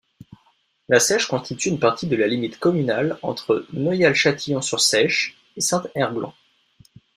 La Seiche constitue une partie de la limite communale entre Noyal-Châtillon-sur-Seiche et Saint-Erblon.